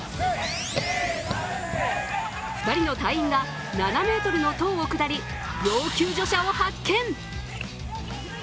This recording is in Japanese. ２人の隊員が７ｍの棟を下り、要救助者を発見。